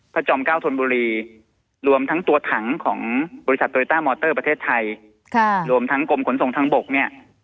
พจ่อมก้าวทนบุรีรวมทั้งตัวถังของบริษัทประเทศไทยค่ะรวมทั้งกลมขนส่งทางบกเนี้ย